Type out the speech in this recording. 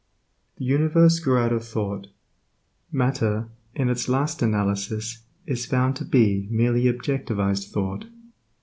The universe grew out of thought. Matter in its last analysis is found to be merely objectivized thought.